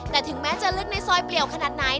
แต่ถึงแม้จะลึกในซอยเปลี่ยวขนาดไหน